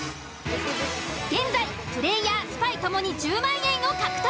現在プレイヤースパイともに１０万円を獲得。